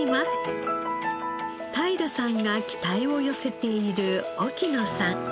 太平さんが期待を寄せている沖野さん。